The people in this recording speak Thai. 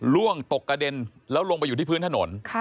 ล่วงตกกระเด็นแล้วลงไปอยู่ที่พื้นถนน